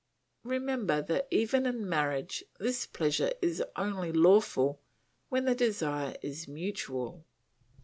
Remember that even in marriage this pleasure is only lawful when the desire is mutual.